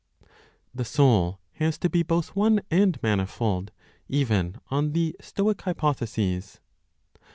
THE SOUL HAS TO BE BOTH ONE AND MANIFOLD, EVEN ON THE STOIC HYPOTHESES.